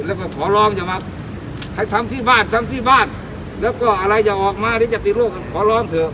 แล้วก็ขอร้องให้ทำที่บ้านแล้วก็อะไรจะออกมาที่จะติดล่วงขอร้องเถอะ